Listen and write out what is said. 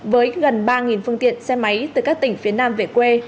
với gần ba phương tiện xe máy từ các tỉnh phía nam về quê